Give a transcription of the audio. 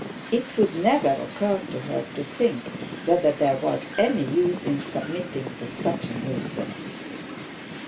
It would never occur to her, to think whether there was any use in submitting to such a nuisance.'